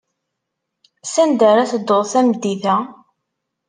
Sanda ara teddud tameddit-a?